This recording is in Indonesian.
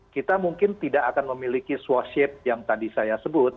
kita mungkin tidak akan memiliki swaship yang tadi saya sebut